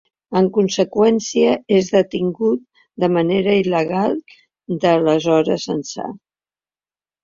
En conseqüència, és detingut de manera il·legal d’aleshores ençà.